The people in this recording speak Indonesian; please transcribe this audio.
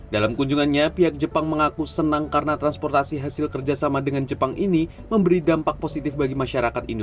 dalam kunjungannya pihak jepang mengaku senang karena transportasi hasil kerjasama dengan jepang ini memberi dampak positif bagi masyarakat indonesia